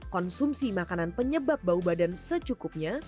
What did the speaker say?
konsumsi makanan penyebab bau badan secukupnya